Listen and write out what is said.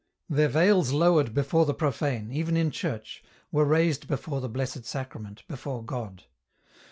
Their veils lowered before the profane, even in church, were raised before the Blessed Sacrament, before God.